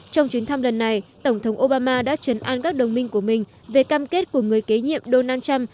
trong chuyến thăm lần này tổng thống obama đã chấn an các đồng minh của mình về cam kết của người kế nhiệm donald trump